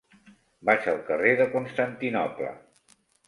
Vaig al carrer de Constantinoble.